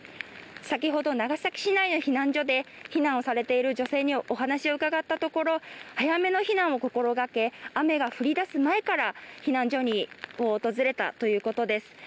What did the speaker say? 先ほど長崎市内の避難所で避難をしている女性に伺ったところ早めの避難を心がけあめが降りだす前から、避難所を訪れたということです。